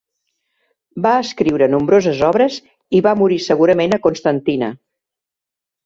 Va escriure nombroses obres i va morir segurament a Constantina.